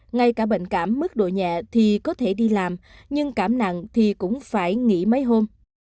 ngay cả bệnh cảm mức độ nhẹ thì có thể đi làm nhưng cảm nặng thì cũng phải nghỉ mấy hôm